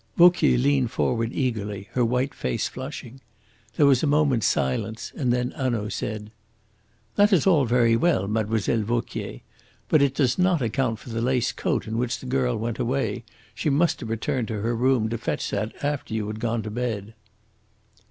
Vauquier leaned forward eagerly, her white face flushing. There was a moment's silence, and then Hanaud said: "That is all very well, Mlle. Vauquier. But it does not account for the lace coat in which the girl went away. She must have returned to her room to fetch that after you had gone to bed."